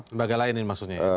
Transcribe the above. lembaga lain ini maksudnya